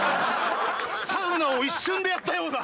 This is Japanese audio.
サウナを一瞬でやったような。